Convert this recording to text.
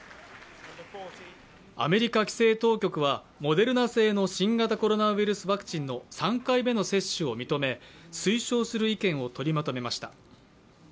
アメリカ規制当局はモデルナ製の新型コロナウイルスワクチンの３回目の接種を認め、推奨する意見を取りまとめました。